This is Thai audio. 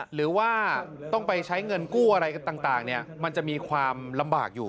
หรือว่าต้องไปใช้เงินกู้อะไรต่างมันจะมีความลำบากอยู่